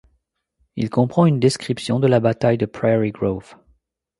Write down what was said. Il comprend une description de la bataille de Prairie Grove.